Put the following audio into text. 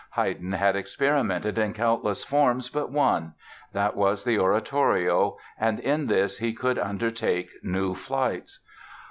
Haydn had experimented in countless forms, but one. That was the oratorio and in this he could undertake new flights.